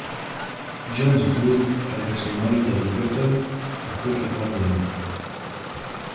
John's Wood avec son mari David Burton, un photographe de mode.